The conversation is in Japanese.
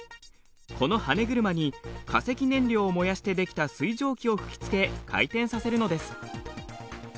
このはね車に化石燃料を燃やして出来た水蒸気を吹きつけ回転させるのです。